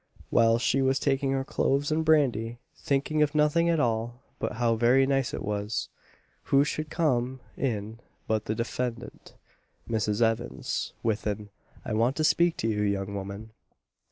Whilst she was taking her cloves and brandy, thinking of nothing at all but how very nice it was, who should come in but the defendant, Mrs. Evans, with an "I want to speak to you, young woman."